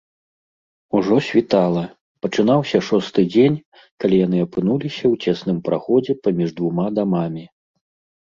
Ужо світала, пачынаўся шосты дзень, калі яны апынуліся ў цесным праходзе паміж двума дамамі.